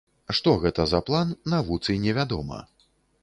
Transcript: Што гэта за план, навуцы не вядома.